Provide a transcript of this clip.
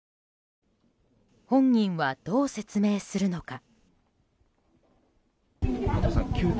本人はどう説明するのか。